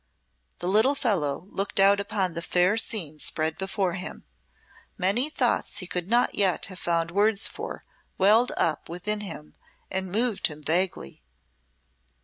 The little fellow looked out upon the fair scene spread before him. Many thoughts he could not yet have found words for welled up within him and moved him vaguely.